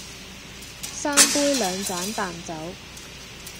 三杯兩盞淡酒，